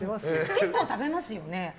結構食べますよね？